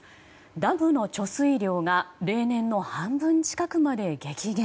ダムの貯水量が例年の半分近くにまで激減。